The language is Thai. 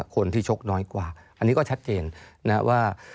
คนที่ชกน้อยกว่าอันนี้ก็ชัดเจนนะว่า